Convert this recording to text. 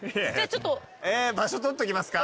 場所取っときますか？